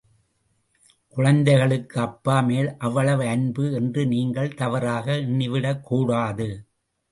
குழந்தைகளுக்கு அப்பா மேல் அவ்வளவு அன்பு என்று நீங்கள் தவறாக எண்ணிவிடக்கூடாது.